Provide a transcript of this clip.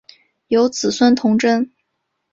有子孙同珍。